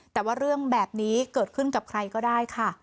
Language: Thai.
แต่ว่าเรื่องแบบนี้เกิดขึ้นกับใครก็ได้ค่ะ